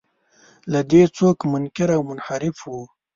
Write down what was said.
له دې څوک منکر او منحرف و.